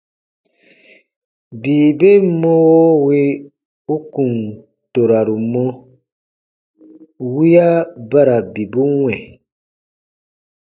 Bii ben mɔwo wì u kùn toraru mɔ, wiya ba ra bibu wɛ̃.